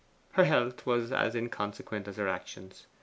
Her health was as inconsequent as her actions.